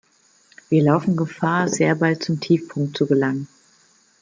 Wir laufen Gefahr, sehr bald zum Tiefpunkt zu gelangen.